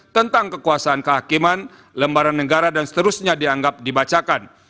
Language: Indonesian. tentang kekuasaan kehakiman lembaran negara dan seterusnya dianggap dibacakan